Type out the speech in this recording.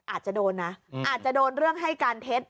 อาจจะโดนนะอาจจะโดนเรื่องให้การเท็จ